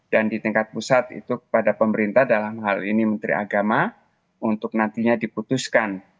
dan di tingkat pusat itu kepada pemerintah dalam hal ini menteri agama untuk nantinya diputuskan